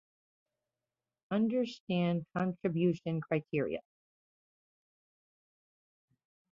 The film has musical score by Sadhu Kokila.